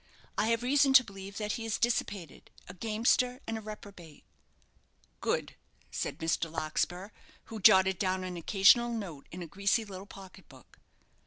I have reason to believe that he is dissipated, a gamester, and a reprobate." "Good," said Mr. Larkspur, who jotted down an occasional note in a greasy little pocket book.